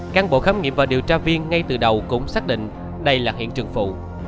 cán bộ khám nghiệm và điều tra viên ngay từ đầu cũng xác định đây là hiện trường phụ